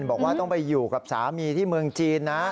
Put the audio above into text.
บอกว่าต้องไปอยู่กับสามีที่เมืองจีนนะ